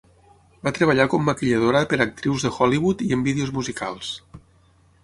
Va treballar com maquilladora per a actrius de Hollywood i en vídeos musicals.